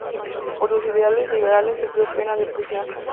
Por sus ideales liberales, sufrió pena de prisión.